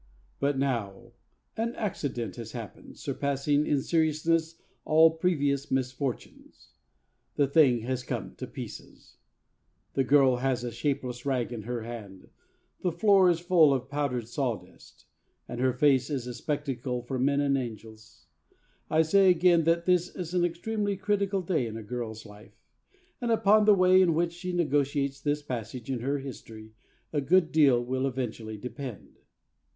But now an accident has happened, surpassing in seriousness all previous misfortunes. The thing has come to pieces! The girl has a shapeless rag in her hand; the floor is all powdered with sawdust; and her face is a spectacle for men and angels. I say again that this is an extremely critical day in a girl's life, and upon the way in which she negotiates this passage in her history a good deal will eventually depend.